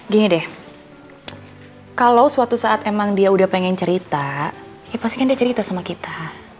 gini deh kalau suatu saat emang dia udah pengen cerita ya pasti kan dia cerita sama kita